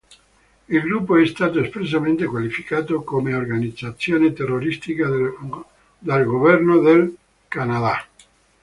Il gruppo è stato espressamente qualificato come organizzazione terroristica dal governo del Canada.